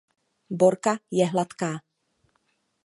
Borka je hladká.